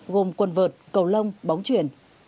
gồm quần vợt cầu lông bóng chuyển